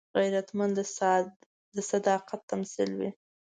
غیرتمند د صداقت تمثیل وي